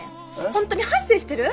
本当に反省してる？